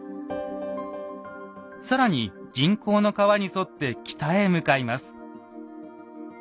更に人工の川に沿って北へ向かいます。